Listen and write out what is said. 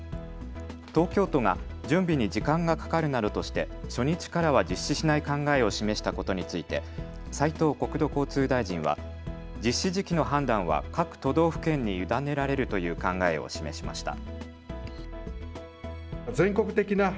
東京都が準備に時間がかかるなどとして初日からは実施しない考えを示したことについて斉藤国土交通大臣は実施時期の判断は各都道府県に委ねられるという考えを示しました。